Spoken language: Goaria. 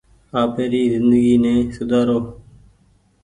آپيري زندگي ني سوُدآرو ۔